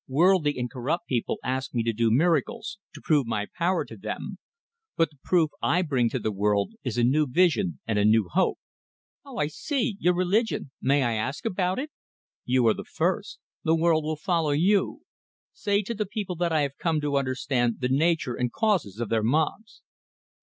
"Worldly and corrupt people ask me to do miracles, to prove my power to them. But the proof I bring to the world is a new vision and a new hope." "Oh, I see! Your religion! May I ask about it?" "You are the first; the world will follow you. Say to the people that I have come to understand the nature and causes of their mobs."